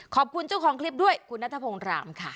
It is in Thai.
ขอบคุณเจ้าของคลิปด้วยคุณนัทพงศ์รามค่ะ